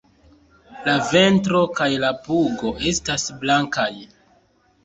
La ventro kaj la pugo estas blankaj.